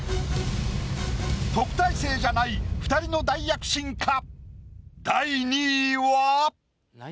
特待生じゃない２人の大躍進か？